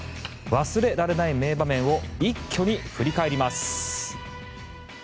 忘れられない名場面を一挙に振り返ります。